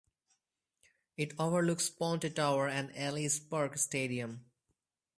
It overlooks Ponte Tower and Ellis Park Stadium.